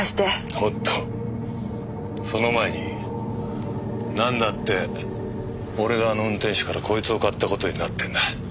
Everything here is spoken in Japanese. おっとその前になんだって俺があの運転手からこいつを買った事になってんだ？